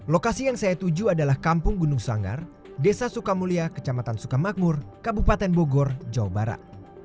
lokasi yang saya tuju adalah kampung gunung sanggar desa sukamulia kecamatan sukamakmur kabupaten bogor jawa barat